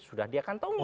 sudah dia kan tonggik